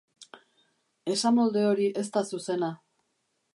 Esamolde hori ez da zuzena.